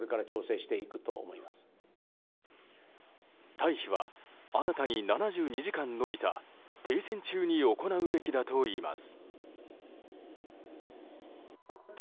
退避は、新たに７２時間延びた停戦中に行うべきだといいます。